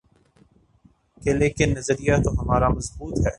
گی لیکن نظریہ تو ہمارا مضبوط ہے۔